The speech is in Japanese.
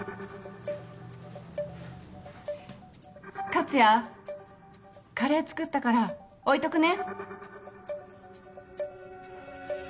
克哉カレー作ったから置いとくね。